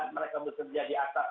mereka bekerja di atas